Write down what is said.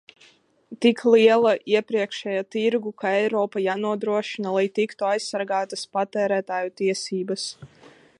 Tik lielā iekšējā tirgū kā Eiropā jānodrošina, lai tiktu aizsargātas patērētāju tiesības.